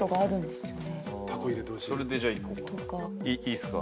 いいっすか？